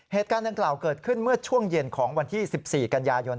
เหตุการณ์ดังกล่าวเกิดขึ้นเมื่อช่วงเย็นของวันที่๑๔กันยายน